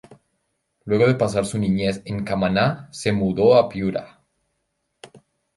Luego de pasar su niñez en Camaná se mudó a Piura.